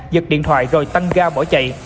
giật điện thoại rồi tăng ga bỏ chạy